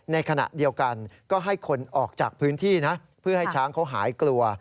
ในขณะเดียวกันก็ให้คนออกจากพื้นที่นะเพื่อให้ช้างเขาหายกลัว